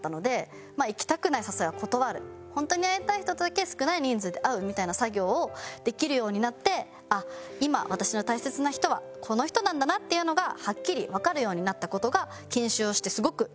本当に会いたい人とだけ少ない人数で会うみたいな作業をできるようになってあっ今私の大切な人はこの人なんだなっていうのがはっきりわかるようになった事が。